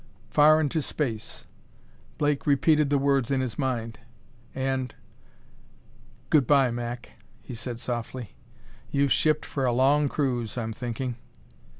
"Far into space." Blake repeated the words in his mind. And: "Good by Mac," he said softly; "you've shipped for a long cruise, I'm thinking."